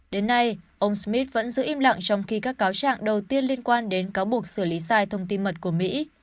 đến nay ông smith vẫn giữ im lặng trong khi các cáo trạng đầu tiên liên quan đến cáo buộc xử lý sai thông tin mật của mỹ